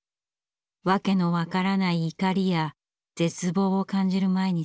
訳の分からない怒りや絶望を感じる毎日。